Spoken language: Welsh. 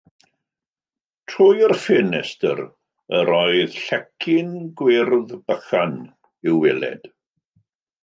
Trwy'r ffenestr yr oedd llecyn gwyrdd bychan i'w weled.